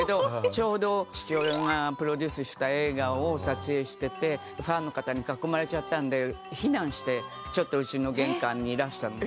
ちょうど父親がプロデュースした映画を撮影しててファンの方に囲まれちゃったんで避難してちょっと家の玄関にいらしたの。